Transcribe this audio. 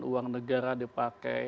uang negara dipakai